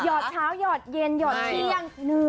หายอดเท้ายอดเย็นยอดพรียังเหนื่อย